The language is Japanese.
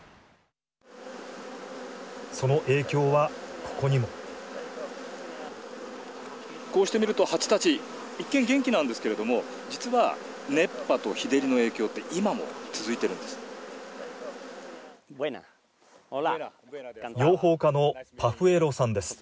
その影響は、ここにも。こうして見ると蜂たち一見元気なんですけれども実は熱波と日照りの影響って今も続いてるんです。